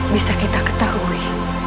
bisa kita ketahui